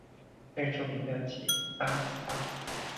最著名的即八思巴。